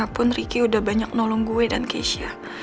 walaupun riki udah banyak nolong gue dan keshi